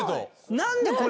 何でこれ。